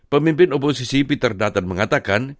pemimpin oposisi peter dutton mengatakan